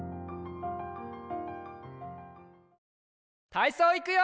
たいそういくよ！